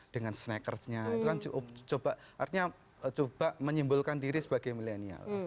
dengan snackersnya itu kan coba artinya coba menyimbolkan diri sebagai milenial